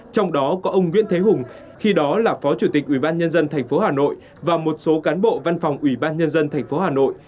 trong đó có ông nguyễn thế hùng khi đó là phó chủ tịch ủy ban nhân dân thành phố hà nội và một số cán bộ văn phòng ủy ban nhân dân thành phố hà nội